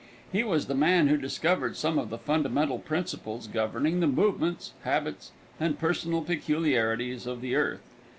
He was the man who discovered some of the fundamental principles governing the movements, habits, and personal peculiarities of the earth.